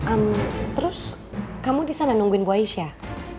ehm terus kamu disana nungguin bu aisyah